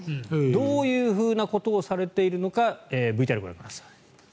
どういうふうなことをされているのか、ＶＴＲです。